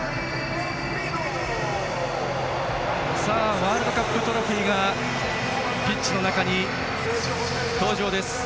ワールドカップトロフィーがピッチの中に登場です。